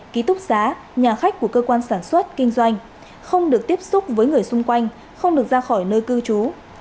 ký túc xá nhà khách của cơ quan sản xuất kinh doanh không được tiếp xúc với người xung quanh không được ra khỏi nơi cư trú